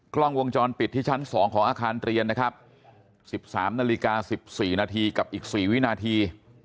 กล้องวงจรปิดที่ชั้น๒ของอาคารเรียนนะครับ๑๓นาฬิกา๑๔นาทีกับอีก๔วินาที